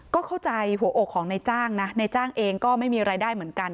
ก็เข้าใจหัวอกของนายจ้างนะในจ้างเองก็ไม่มีรายได้เหมือนกัน